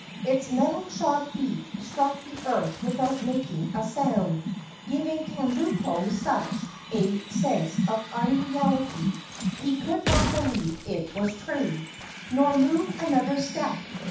Its metal shod feet struck the earth without making a sound, giving Kabumpo such a sense of unreality he could not believe it was true, nor move another step.